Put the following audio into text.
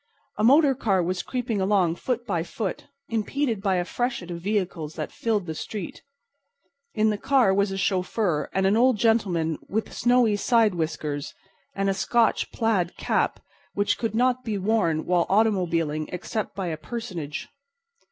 A motor car was creeping along foot by foot, impeded by a freshet of vehicles that filled the street. In the car was a chauffeur and an old gentleman with snowy side whiskers and a Scotch plaid cap which could not be worn while automobiling except by a personage.